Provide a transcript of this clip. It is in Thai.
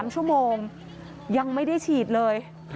๓ชั่วโมงยังไม่ได้ฉีดเลย